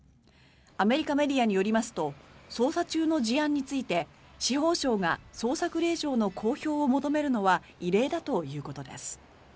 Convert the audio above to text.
アメリカメディアによりますと捜査中の事案について司法省が捜索令状の公表を求めるのは異例だということです。